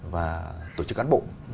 và tổ chức cán bộ